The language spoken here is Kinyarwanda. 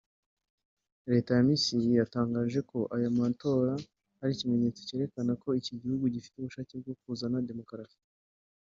Leta ya Misiri yatangaje ko aya matora ari ikimenyetso cyerekana ko iki gihugu gifite ubushake bwo kuzana demokarasi